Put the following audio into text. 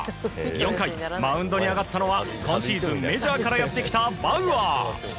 ４回、マウンドに上がったのは今シーズン、メジャーからやってきたバウアー。